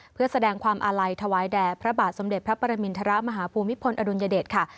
เพื่อแสดงความอาลัยถวายแด่พระบาทสมเด็จพระปรมินทรมาฮภูมิพลอดุลยเดชค่ะ